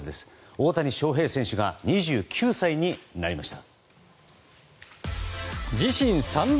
大谷翔平選手が２９歳になりました。